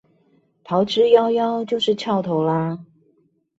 逃之夭夭就是蹺頭啦